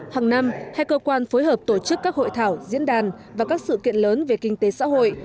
hàng năm hai cơ quan phối hợp tổ chức các hội thảo diễn đàn và các sự kiện lớn về kinh tế xã hội